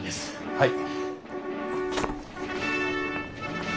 はい。